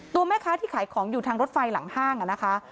ตัวแม่ค้าที่ขายของอยู่ทางรถไฟหลังห้างนะคะ